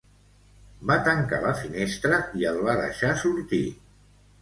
Va tancar la finestra i el va deixar sortir.